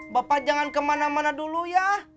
bapak jangan kemana mana dulu ya